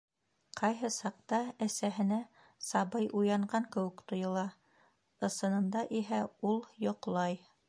Ҡайһы саҡта әсәһенә сабый уянған кеүек тойола, ысынында иһә ул йоҡлай.